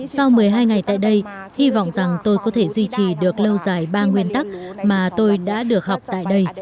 sau một mươi hai ngày tại đây hy vọng rằng tôi có thể duy trì được lâu dài ba nguyên tắc mà tôi đã được học tại đây